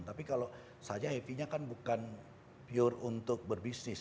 tapi kalau saja heavynya kan bukan pure untuk berbisnis